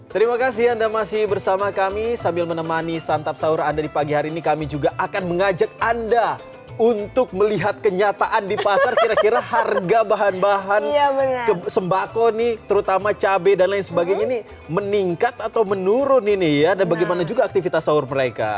terima kasih anda masih bersama kami sambil menemani santap sahur anda di pagi hari ini kami juga akan mengajak anda untuk melihat kenyataan di pasar kira kira harga bahan bahan sembako nih terutama cabai dan lain sebagainya ini meningkat atau menurun ini ya dan bagaimana juga aktivitas sahur mereka